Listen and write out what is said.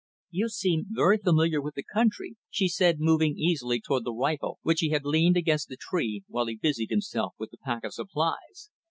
"You seem very familiar with the country," she said, moving easily toward the rifle which he had leaned against a tree, while he busied himself with the pack of supplies.